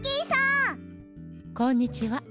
こんにちは。